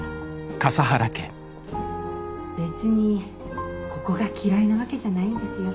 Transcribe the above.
別にここが嫌いなわけじゃないんですよ。